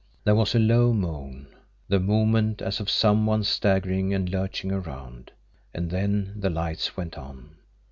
There was a low moan, the movement as of some one staggering and lurching around and then the lights went on.